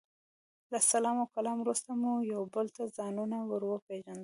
له سلام او کلام وروسته مو یو بل ته ځانونه ور وپېژندل.